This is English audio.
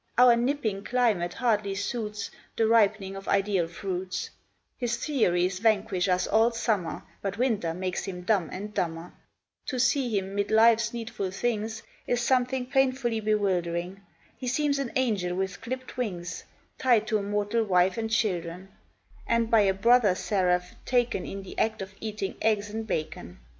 Our nipping climate hardly suits The ripening of ideal fruits: His theories vanquish us all summer, But winter makes him dumb and dumber To see him mid life's needful things Is something painfully bewildering; He seems an angel with clipt wings Tied to a mortal wife and children, And by a brother seraph taken In the act of eating eggs and bacon.